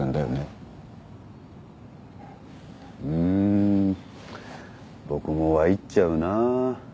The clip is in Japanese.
うん僕もＹっちゃうなぁ。